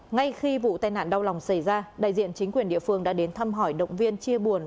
ngay khi vụ tai nạn đau lòng xảy ra đại diện chính quyền địa phương đã đến thăm hỏi động viên chia buồn